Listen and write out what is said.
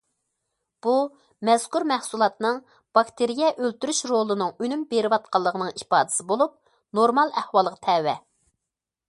بۇ مەزكۇر مەھسۇلاتنىڭ باكتېرىيە ئۆلتۈرۈش رولىنىڭ ئۈنۈم بېرىۋاتقانلىقىنىڭ ئىپادىسى بولۇپ، نورمال ئەھۋالغا تەۋە.